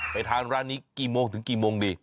ไปทานร้านนี้กี่โมงถึงกี่โมงดี